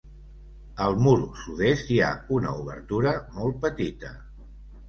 Al mur sud-est, hi ha una obertura molt petita.